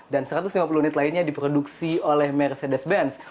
dan satu ratus lima puluh unit lainnya diproduksi oleh mercedes benz